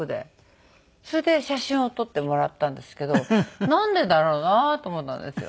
それで写真を撮ってもらったんですけどなんでだろうな？と思ったんですよ。